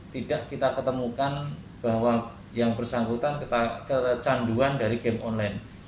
tidak kita ketemukan bahwa yang bersangkutan kecanduan dari game online